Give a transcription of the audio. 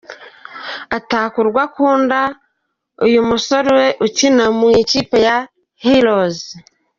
Ataka urwo akunda uyu musore ukina mu ikipe ya Heroes.